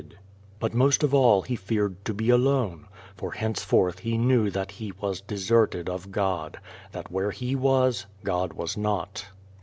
2 4 The Dream of the Dead Folk But most of all he feared to be alone, for henceforth he knew that he was deserted of God that where he was, God was not.